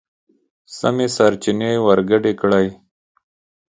سمې سرچينې ورګډې کړئ!.